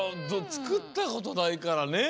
つくったことないからねえ。